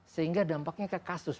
sehingga dampaknya ke kasus